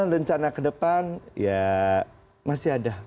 rencana ke depan ya masih ada